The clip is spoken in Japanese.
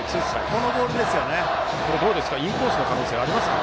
インコースの可能性はありますか。